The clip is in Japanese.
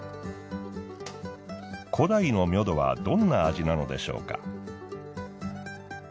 古代のミョドはどんな味なのでしょうか？